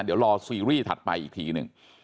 เดี๋ยวรอซีรีส์ถัดไปอีกทีหนึ่ง